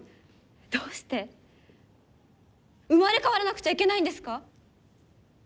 どうして生まれ変わらなくちゃいけないんですか？